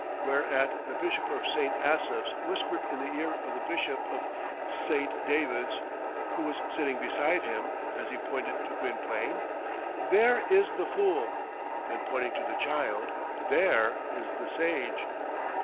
Whereat the Bishop of St. Asaph's whispered in the ear of the Bishop of St. David's, who was sitting beside him, as he pointed to Gwynplaine, "There is the fool;" then pointing to the child, "there is the sage."